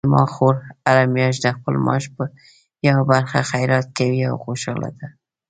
زما خور هره میاشت د خپل معاش یوه برخه خیرات کوي او خوشحاله ده